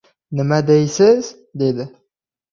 Nima deysiz? – dedi.